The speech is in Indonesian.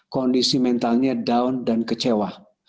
kondisi mentalnya down dan kecewa